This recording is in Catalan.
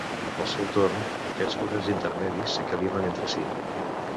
Al seu torn, aquests poders intermedis s'equilibren entre si.